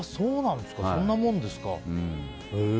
そんなもんですか。